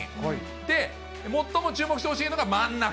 で、最も注目してほしいのが真ん中。